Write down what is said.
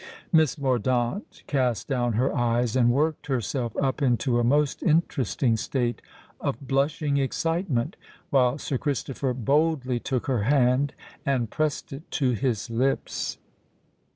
Miss Mordaunt cast down her eyes and worked herself up into a most interesting state of blushing excitement; while Sir Christopher boldly took her hand and pressed it to his lips.